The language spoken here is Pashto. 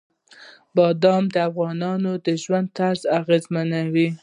بادام د افغانانو د ژوند طرز اغېزمنوي.